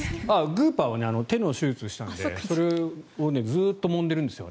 グーパーは手の手術をしたのでそれをずっともんでいるんですよ。